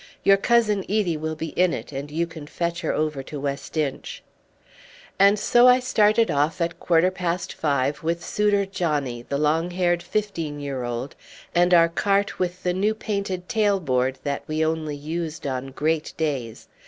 Your Cousin Edie will be in it, and you can fetch her over to West Inch." And so off I started at quarter past five with Souter Johnnie, the long haired fifteen year old, and our cart with the new painted tail board that we only used on great days.